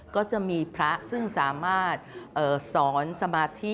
ก็จะมีพระซึ่งสามารถสอนสมาธิ